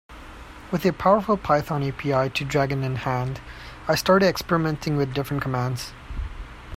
With a powerful Python API to Dragon in hand, I started experimenting with different commands.